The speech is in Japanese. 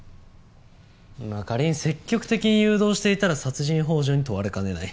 まあ仮に積極的に誘導していたら殺人幇助に問われかねない。